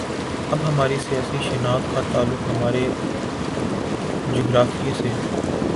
اب ہماری سیاسی شناخت کا تعلق ہمارے جغرافیے سے ہے۔